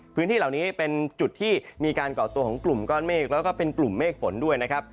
พื้นที่เหล่านี้เป็นจุดที่มีการก่อตัวของกลุ่มก้อนเมฆแล้วก็เป็นกลุ่มเมฆฝนด้วยนะครับ